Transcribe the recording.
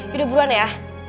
yaudah buruan ya